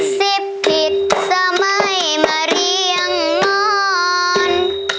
สิบผิดสมัยมาเรียงงอน